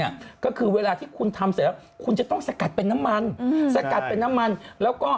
ก็คือเวลาที่คุณทำเสร็จแล้วคุณจะต้องสกัดเป็นน้ำมันอืมสกัดเป็นน้ำมันแล้วก็